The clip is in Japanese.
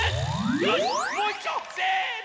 よしもういっちょせの！